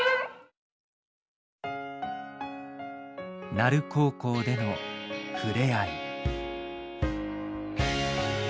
奈留高校でのふれあい。